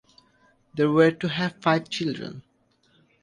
They were to have five children.